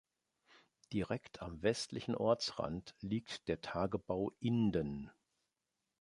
Direkt am westlichen Ortsrand liegt der Tagebau Inden.